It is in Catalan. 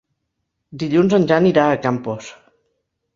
Dilluns en Jan irà a Campos.